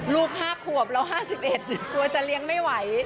ลูก๕ขวบเรา๕๑กลัวจะเลี้ยงไม่ไหว